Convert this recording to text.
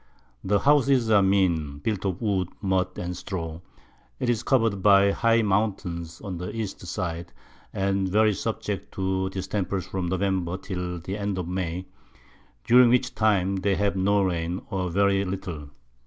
The Houses are mean, built of Wood, Mud and Straw, it is cover'd by high Mountains on the East side, and very subject to Distempers from November till the End of May, during which time they have no Rain, or very little.